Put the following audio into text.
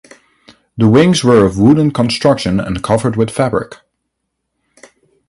The wings were of wooden construction and covered with fabric.